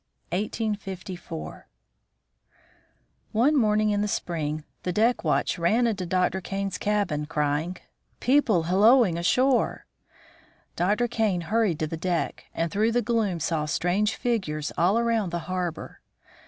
VIII. THE ESKIMOS 1854 One morning in the spring, the deck watch ran into Dr. Kane's cabin, crying, " People hallooing ashore !" Dr. Kane hurried to the deck, and through the gloom saw strange figures all around the harbor.